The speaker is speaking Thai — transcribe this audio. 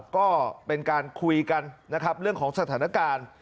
ก็เป็นการคุยกันนะครับเรื่องของสถานการณ์